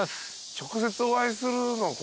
直接お会いするの。